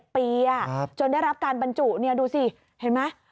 ปีจนได้รับการบรรจุดูสิเห็นไหม